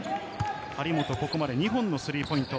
張本、ここまで２本のスリーポイント。